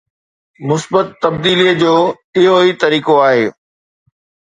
مثبت تبديليءَ جو اهو ئي طريقو آهي.